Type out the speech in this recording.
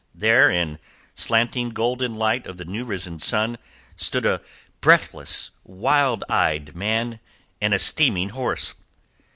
There in slanting golden light of the new risen sun stood a breathless, wild eyed man and a steaming horse.